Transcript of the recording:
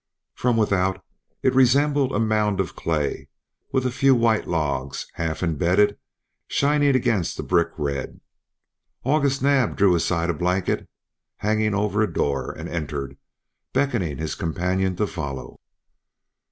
From without it resembled a mound of clay with a few white logs, half imbedded, shining against the brick red. August Naab drew aside a blanket hanging over a door, and entered, beckoning his companion to follow.